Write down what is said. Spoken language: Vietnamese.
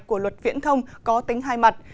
của luật viễn thông có tính hai mặt